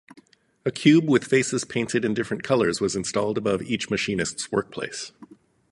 A cube with faces painted in different colors was installed above each machinist's workplace.